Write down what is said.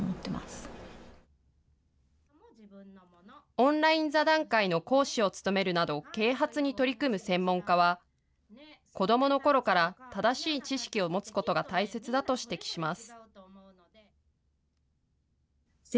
オンライン座談会の講師を務めるなど、啓発に取り組む専門家は、子どものころから正しい知識を持つことが大切だと指摘します。